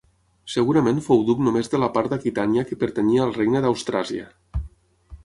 Segurament fou duc només de la part d'Aquitània que pertanyia al regne d'Austràsia.